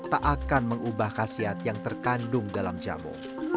tak akan mengubah khasiat yang terkandung dalam jamu